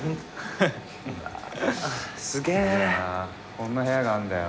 こんな部屋があるんだよ。